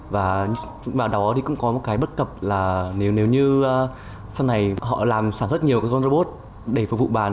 và vào đó cũng có một cái bất cập là nếu như sau này họ làm sản xuất nhiều robot để phục vụ bàn